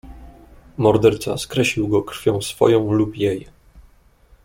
"Morderca skreślił go krwią swoją lub jej."